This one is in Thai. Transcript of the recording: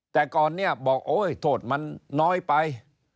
แต่ก่อนเนี่ยบอกโอ๊ยโทษมันน้อยไป